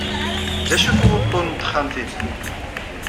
D acu-t wuḍḍun n texxamt-inu?